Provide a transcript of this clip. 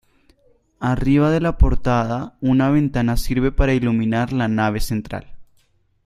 Arriba de la portada una ventana sirve para iluminar la nave central.